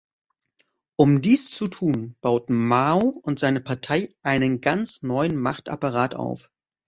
Um dies zu tun, bauten Mao und seine Partei einen ganz neuen Machtapparat auf.